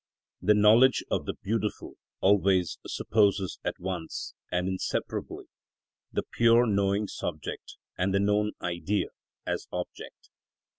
The knowledge of the beautiful always supposes at once and inseparably the pure knowing subject and the known Idea as object.